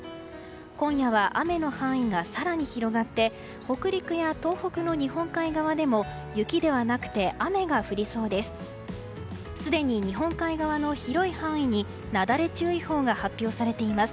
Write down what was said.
今夜は雨の範囲が更に広がって北陸や東北の日本海側でも雪ではなくて雨が降りそうです。